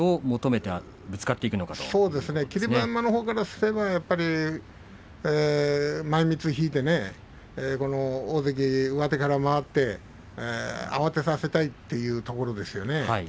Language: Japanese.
馬山からすれば前みつを引いて大関上手から回って慌てさせたいというところでしょうか。